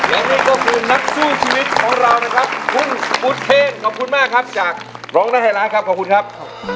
และนี่ก็คือนักสู้ชีวิตของเรานะครับคุณบุตรเพลงขอบคุณมากครับจากร้องได้ให้ร้านครับขอบคุณครับ